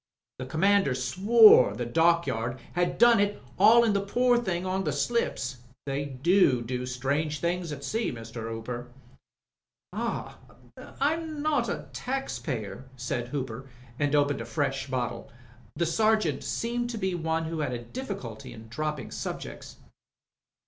The commander swore the dockyard 'ad done it haulin' the pore thing en to the slips. They do do strange things at sea, Mr. Hooper." "Ahl I'm not a tax payer," said Hooper, and opened a fresh bottle. The Sergeant seemed to be one who had a difficulty in dropping subjects.